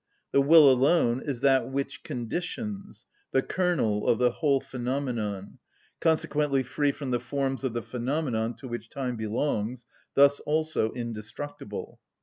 The will alone is that which conditions, the kernel of the whole phenomenon, consequently free from the forms of the phenomenon to which time belongs, thus also indestructible.